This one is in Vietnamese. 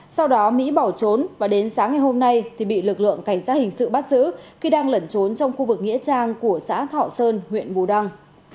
sau đó mỹ bỏ trốn và đến sáng ngày hôm nay thì bị lực lượng cảnh sát hình sự bắt giữ khi đang lẩn trốn trong khu vực nghĩa trang của xã thọ sơn huyện bù đăng